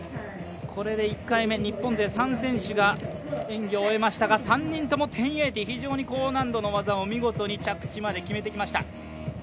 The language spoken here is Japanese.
これで１回目、日本勢３選手が演技を終えましたが３人とも１０８０、非常に高難度の技を、見事着地まで決めてきました。